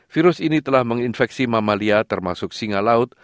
virus ini telah menginfeksi mamalia termasuk singa laut